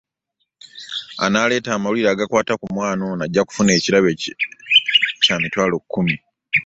Anaaleeta amawulire agakwata ku mwana ono ajja kufuna ekirabo kya mitwalo kkumi.